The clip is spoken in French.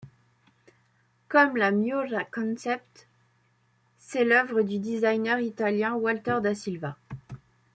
Comme la Miura Concept, c'est l'œuvre du designer italien Walter da Silva.